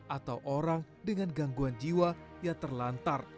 atau orang dengan gangguan jiwa yang terlantar